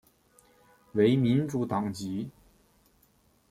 为民主党籍。